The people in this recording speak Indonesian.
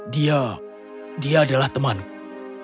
dia dia adalah temanku